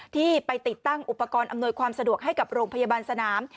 ที่ไปติดตั้งอุปกรณ์อำนวยความสะดวกให้กับโรงพยาบาลสนาม